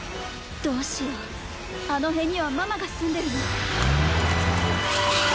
どうしようあの辺にはママが住んでるの。